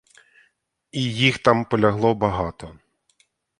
І їх там полягло багато.